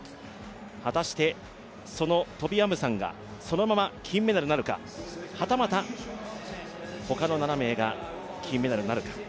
果たしてそのトビ・アムサンがそのまま金メダルなるか、はたまた他の７名が金メダルになるか。